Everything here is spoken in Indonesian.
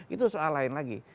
itu soal lain lagi